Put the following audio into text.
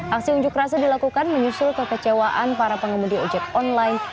aksi unjuk rasa dilakukan menyusul kekecewaan para pengemudi ojek online